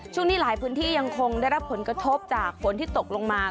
ช่วงนี้หลายพื้นที่ยังคงได้รับผลกระทบจากฝนที่ตกลงมา